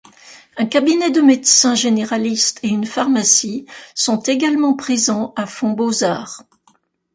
Un cabinet de médecins généralistes et une pharmacie sont également présents à Fonbeauzard.